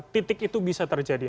titik itu bisa terjadi